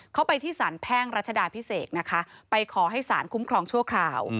ไปที่สารแพ่งรัชดาพิเศษนะคะไปขอให้สารคุ้มครองชั่วคราว